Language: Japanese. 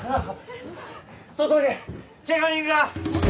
外にケガ人が！